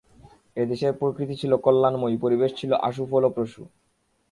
এ দেশের প্রকৃতি ছিল কল্যাণময়ী, পরিবেশ ছিল আশু ফলপ্রসূ।